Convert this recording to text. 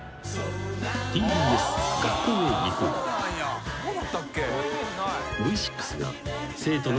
［ＴＢＳ『学校へ行こう！』］